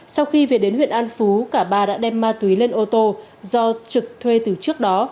sau khi về đến huyện an phú cả ba đã đem ma túy lên ô tô do trực thuê từ trước đó